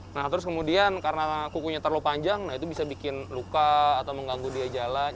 nah terus kemudian karena kukunya terlalu panjang nah itu bisa bikin luka atau mengganggu dia jalan